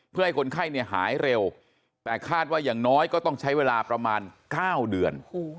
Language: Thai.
เพื่อให้คนไข้เนี่ยหายเร็วแต่คาดว่าอย่างน้อยก็ต้องใช้เวลาประมาณ๙เดือน